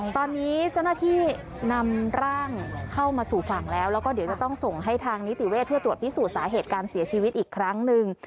ตอนนี้เจ้าหน้าที่นำร่างเข้ามาสู่ฝั่งแล้วแล้วก็เดี๋ยวจะต้องส่งให้ทางนิติเวทย์เพื่อตรวจพิสูจน์สาเหตุการเสียชีวิตอีกครั้งหนึ่ง